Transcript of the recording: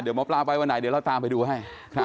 เดี๋ยวหมอปลาไปวันไหนเดี๋ยวเราตามไปดูให้